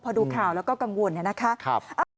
พอดูข่าวแล้วก็กังวลเนี่ยนะคะ